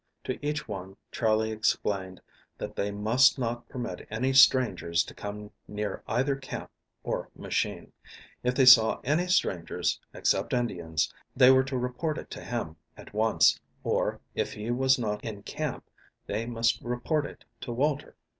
To each one Charley explained that they must not permit any strangers to come near either camp or machine. If they saw any strangers, except Indians, they were to report it to him at once, or, if he was not in camp, they must report it to Walter.